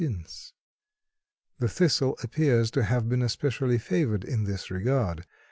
The Thistle appears to have been especially favored in this regard.